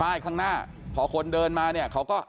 ไปข้างหน้าพอคนเดินมาเขาก็